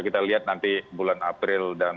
kita lihat nanti bulan april dan